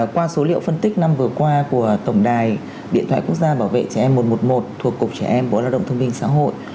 qua số liệu phân tích năm vừa qua của tổng đài điện thoại quốc gia bảo vệ trẻ em một trăm một mươi một thuộc cục trẻ em bộ lao động thương minh xã hội